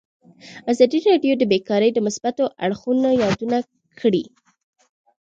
ازادي راډیو د بیکاري د مثبتو اړخونو یادونه کړې.